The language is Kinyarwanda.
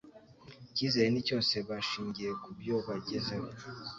Ikizere ni cyose bashingiye ku byo bagezeho